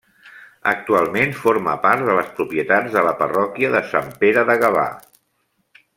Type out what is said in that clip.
Actualment forma part de les propietats de la parròquia de Sant Pere de Gavà.